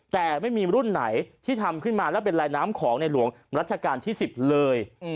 แต่ไม่มีรุ่นไหนที่ทำขึ้นมาแล้วเป็นลายน้ำของในหลวงรัชกาลที่๑๐เลย